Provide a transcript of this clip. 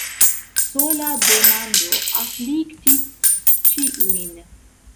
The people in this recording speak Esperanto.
Sola demando afliktis ĉiujn.